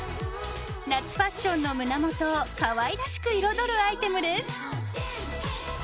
夏ファッションの胸元をかわいらしく彩るアイテムです。